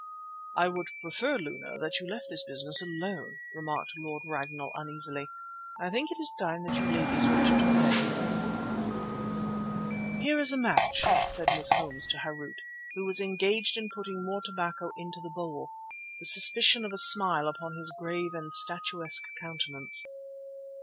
"I would prefer, Luna, that you left this business alone," remarked Lord Ragnall uneasily. "I think it is time that you ladies went to bed." "Here is a match," said Miss Holmes to Harût who was engaged in putting more tobacco into the bowl, the suspicion of a smile upon his grave and statuesque countenance.